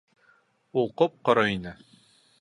Ул ҡоп-ҡоро ине.